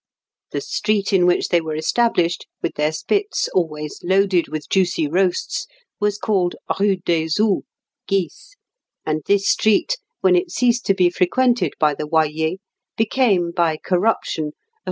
The street in which they were established, with their spits always loaded with juicy roasts, was called Rue des Oues (geese), and this street, when it ceased to be frequented by the oyers, became by corruption Rue Auxours.